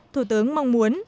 thủ tướng mong muốn